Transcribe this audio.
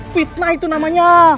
fitnah itu namanya